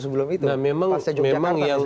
sebelum itu pasca yogyakarta misalnya nah memang